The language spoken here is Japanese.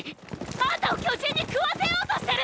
⁉あんたを巨人に食わせようとしてる！！